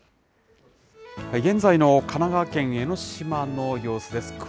現在の神奈川県江の島の様子です。